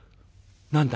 「何だ？」。